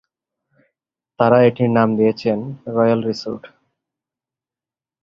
তারা এটির নাম দিয়েছেন "রয়্যাল রিসোর্ট।"